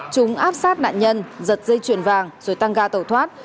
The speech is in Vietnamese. chúng áp sát nạn nhân giật dây chuyền vàng rồi tăng ga tẩu thoát